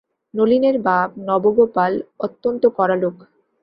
নলিনের বাপ নবগোপাল অত্যন্ত কড়া লোক।